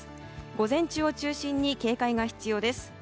午前中を中心に警戒が必要です。